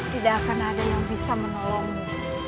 tidak akan ada yang bisa menolongmu